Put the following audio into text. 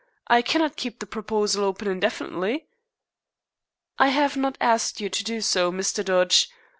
I cannot keep the proposal open indefinitely." "I have not asked you to do so, Mr. Dodge.